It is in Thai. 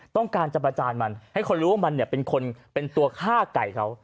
ต้องการจะประจานมันให้คนรู้ว่ามันเป็นคนเป็นตัวฆ่าไก่เขา